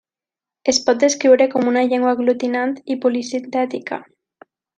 Es pot descriure com una llengua aglutinant i polisintètica.